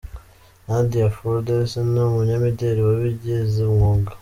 Nadia Fordes: ni umunyamideli wabigize umwuga.